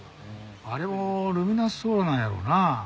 あれもルミナスソーラーなんやろうな。